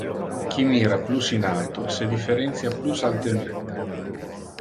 Qui mira plus in alto se differentia plus altemente.